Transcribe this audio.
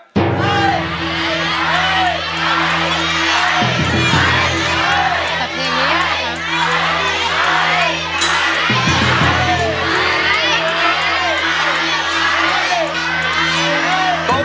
ตัดทีนี้นะครับ